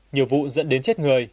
nhiều vụ dẫn đến chết người